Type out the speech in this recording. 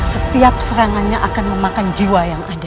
setiap serangannya akan memakan jiwa yang ada